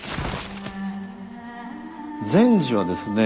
善児はですね